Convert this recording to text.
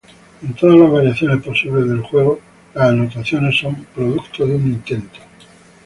En todas las variaciones posibles del juego, las anotaciones son producto de un "intento".